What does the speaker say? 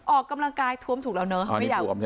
ออกกำลังกายท้วมถูกแล้วเนอะ